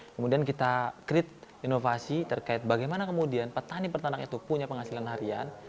kemudian kita create inovasi terkait bagaimana kemudian petani peternak itu punya penghasilan harian